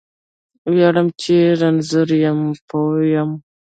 ویاړم چې رانځور پوه یم